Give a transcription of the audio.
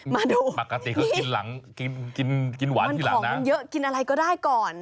มาดูนี่มันผ่องมันเยอะกินอะไรก็ได้ก่อน